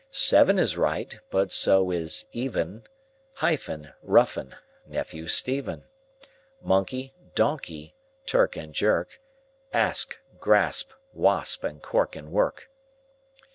Seven is right, but so is even; Hyphen, roughen, nephew, Stephen; Monkey, donkey; clerk and jerk; Asp, grasp, wasp; and cork and work.